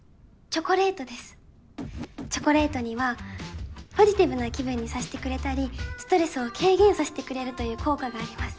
チョコレートにはポジティブな気分にさせてくれたりストレスを軽減させてくれるという効果があります